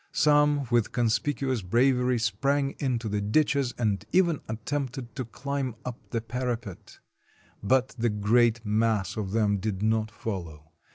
Some, with conspicuous bravery, sprang into the ditches, and even attempted to climb up the parapet; but the great mass of them did not follow.